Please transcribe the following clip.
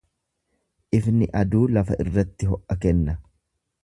Ifni aduu lafa irratti ho’a kenna.